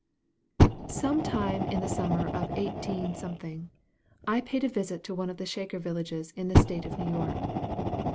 Sometime in the summer of 18 , I paid a visit to one of the Shaker villages in the State of New York.